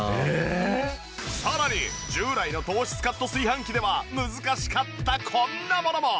さらに従来の糖質カット炊飯器では難しかったこんなものも。